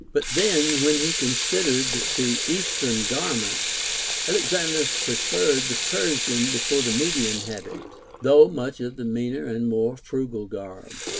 8. But then, when he considered the Eastern garments, Alexander preferred the Persian before the Median habit, OF ALEXANDER THE GREAT. 483 though much the meaner and more frugal garb.